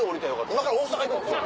今から大阪行くんでしょ？